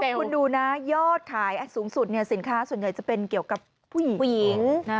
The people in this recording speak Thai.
คุณดูนะยอดขายสูงสุดสินค้าส่วนใหญ่จะเป็นเกี่ยวกับผู้หญิง